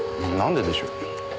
なんででしょう？